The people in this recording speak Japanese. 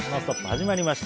始まりました。